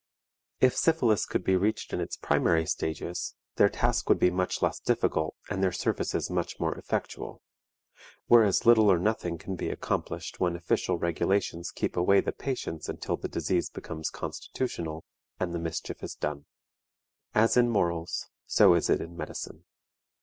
If syphilis could be reached in its primary stages, their task would be much less difficult and their services much more effectual; whereas little or nothing can be accomplished when official regulations keep away the patients until the disease becomes constitutional, and the mischief is done. As in morals, so is it in medicine.